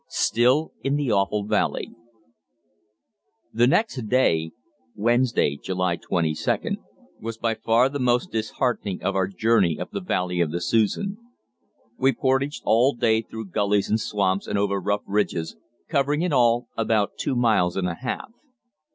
STILL IN THE AWFUL VALLEY The next day (Wednesday, July 22) was by far the most disheartening of our journey up the valley of the Susan. We portaged all day through gullies and swamps and over rough ridges, covering in all about two miles and a half.